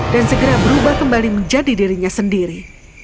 segera berubah kembali menjadi dirinya sendiri